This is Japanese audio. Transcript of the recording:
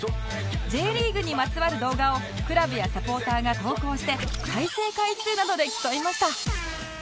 Ｊ リーグにまつわる動画をクラブやサポーターが投稿して再生回数などで競いました